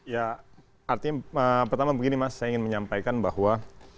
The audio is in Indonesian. ya artinya pertama begini mas saya ingin menyampaikan bahwa